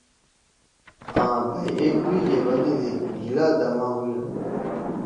آں بھئی ایکدوئی گے بنَدی ہیلا دما ہُویا۔